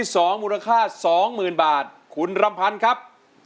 สู้ครับ